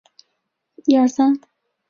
云南野扇花为黄杨科野扇花属的植物。